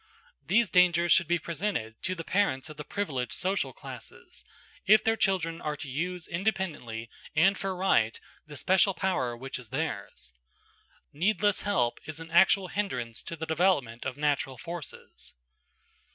These dangers should be presented to the parents of the privileged social classes, if their children are to use independently and for right the special power which is theirs. Needless help is an actual hindrance to the development of natural forces.